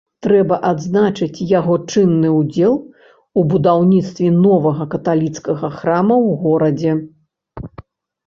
Трэба адзначыць яго чынны ўдзел у будаўніцтве новага каталіцкага храма ў горадзе.